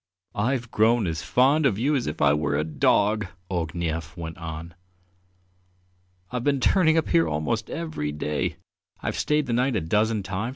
"I've grown as fond of you as if I were your dog," Ognev went on. "I've been turning up here almost every day; I've stayed the night a dozen times.